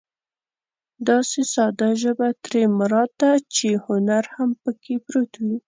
داسې ساده ژبه ترې مراد ده چې هنر هم پکې پروت وي.